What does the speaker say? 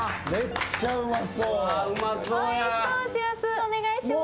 お願いします。